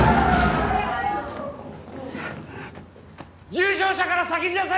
重傷者から先に出せ！